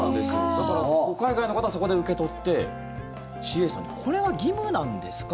だから海外の方はそこで受け取ってＣＡさんにこれは義務なんですか？